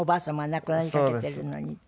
亡くなりかけてるのにって？